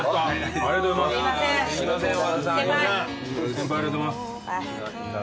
先輩ありがとうございます。